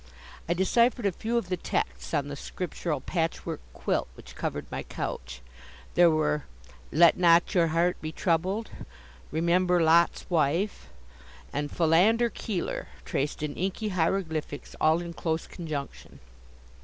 I deciphered a few of the texts on the scriptural patchwork quilt which covered my couch. There were "Let not your heart be troubled," "Remember Lot's wife," and "Philander Keeler," traced in inky hieroglyphics, all in close conjunction.